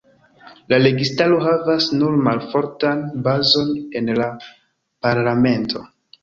La registaro havas nur malfortan bazon en la parlamento.